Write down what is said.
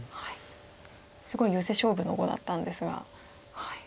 すごいヨセ勝負の碁だったんですが。